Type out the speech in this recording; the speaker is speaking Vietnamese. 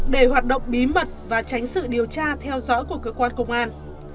để hoạt động bí mật và tránh sự điều tra theo dõi của cơ quan công an